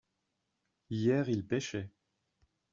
hier il pêchait.